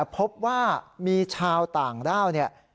พบว่ามีชาวต่างด้าว